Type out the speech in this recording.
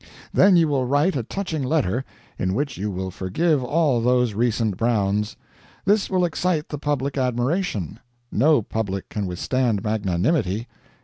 Then you will write a touching letter, in which you will forgive all those recent Browns. This will excite the public admiration. No public can withstand magnanimity.